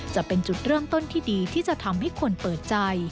จะเป็นจุดเริ่มต้นที่ดีที่จะทำให้คนเปิดใจ